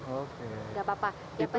oke gak apa apa